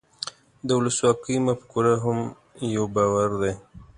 د ولسواکۍ مفکوره هم یو باور دی.